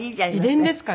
遺伝ですかね？